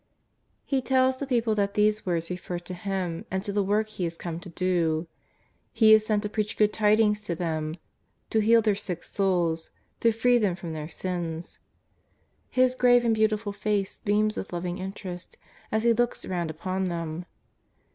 He tells the people that these words refer to Him and to the work He is come to do. He is sent to preach good tidings to them, to heal their sick souls, to free them from their sins. His grave and beautiful face beams with loving interest as He looks round upon them.